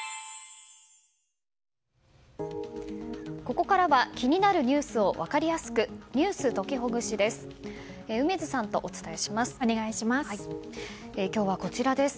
ここからは気になるニュースを分かりやすくｎｅｗｓときほぐしです。